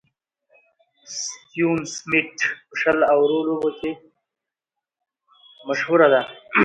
ستيون سميټ په شل اورو لوبو کښي مشهوره ده.